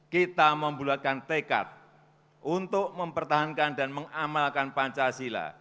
kita membuatkan tekad untuk mempertahankan dan mengamalkan pancasila